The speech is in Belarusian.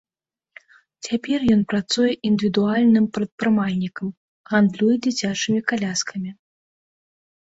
Цяпер ён працуе індывідуальным прадпрымальнікам, гандлюе дзіцячымі каляскамі.